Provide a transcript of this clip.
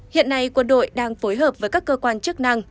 hiện nay quân đội đang phối hợp với các cơ quan chức năng